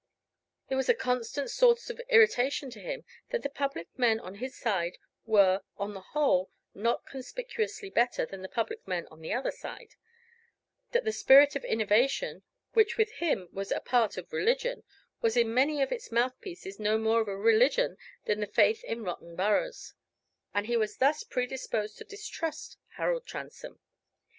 It was a constant source of irritation to him that the public men on his side were, on the whole, not conspicuously better than the public men on the other side; that the spirit of innovation, which with him was a part of religion, was in many of its mouthpieces no more of a religion than the faith in rotten boroughs; and he was thus predisposed to distrust Harold Transome.